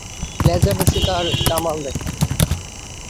Laser রশ্মি তার কামাল দেখাবে!